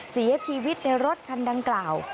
เสียชีวิตในรถคันดังกล่าว